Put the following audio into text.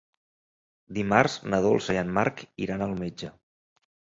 Dimarts na Dolça i en Marc iran al metge.